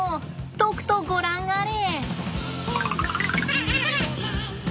とくとご覧あれ！